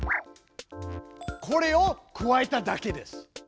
これを加えただけです！